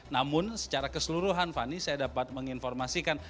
namun secara keseluruhan fani saya dapat menginformasikan